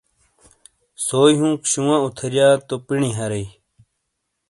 سوئی ہونک شوواں اتھیرییا تو پینڈی ہارۓ۔